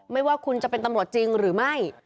ว่าคุณจะเป็นตำรวจจริงหรือไม่